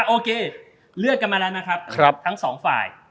โอเคเลือกกันมาแล้วนะครับทั้งสองฝ่าย